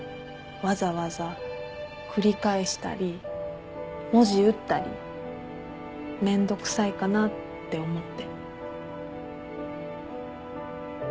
わざわざ繰り返したり文字打ったりめんどくさいかなって思って。